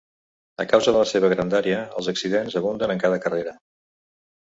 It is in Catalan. A causa de la seua grandària, els accidents abunden en cada carrera.